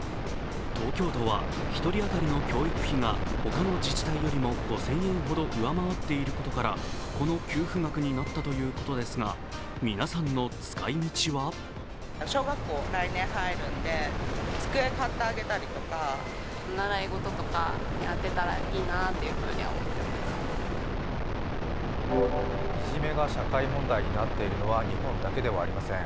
東京都は１人当たりの教育費が他の自治体よりも５０００円ほど上回っていることから、この給付額になったということですが、皆さんの使い道はいじめが社会問題になっているのは日本だけではありません。